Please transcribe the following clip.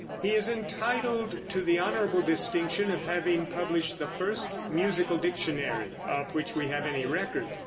He is entitled to the honorable distinction of having published the first musical dictionary of which we have any record.